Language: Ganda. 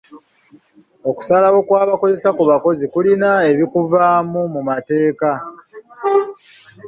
Okusalawo kw'abakozesa ku bakozi kulina ebikuvaamu mu mateeka.